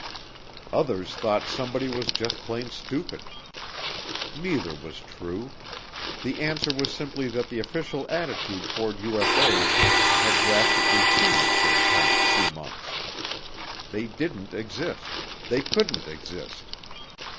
Others thought somebody was just plain stupid. Neither was true. The answer was simply that the official attitude toward UFO's had drastically changed in the past few months. They didn't exist, they couldn't exist.